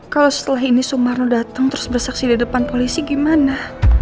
kalau setelah ini sumarno datang terus bersaksi di depan polisi gimana